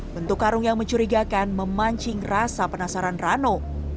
bentuk karung yang mencurigakan memancing rasa penasaran rano